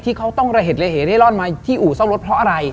ที่เขาต้องเหตุละเหตุให้รอดมาที่อู่ซ่อมรถเพราะอะไร